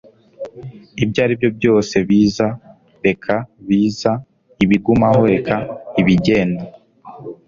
ibyo ari byo byose biza, reka biza, ibigumaho reka, ibigenda